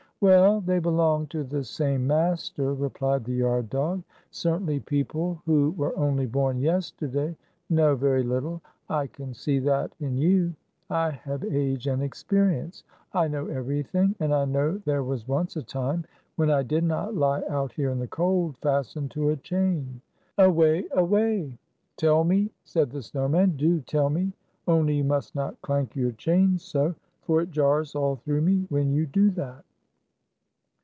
"Well, they belong to the same master," re plied the yard dog. "Certainly people who were only born yesterday know very little. I can see that in you. I have age and experience. I know everything, and I know there was once a time when I did not lie out here in the cold, fastened to a chain. Away! Away!" "Tell me," said the snow man. "Do tell me 207 — only you must not clank your chains so; for it jars all through me when you do that."